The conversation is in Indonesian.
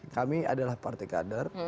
kami adalah partai kader